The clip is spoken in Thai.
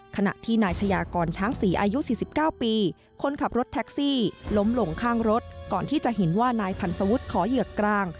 ขณะที่นายชายากรช้างศรีอายุ๔๙ปีคนขับรถแท็กซี่ล้มลงข้างรถก่อนที่จะเห็นว่านายพันธวุฒิขอเหยือกกลาง